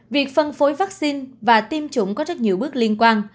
việc phân phối vaccine và tiêm chủng có rất nhiều bước liên quan